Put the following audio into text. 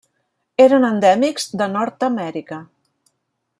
Eren endèmics de Nord-amèrica.